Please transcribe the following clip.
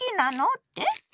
って？